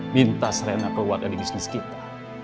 minta serena keluar dari bisnis kita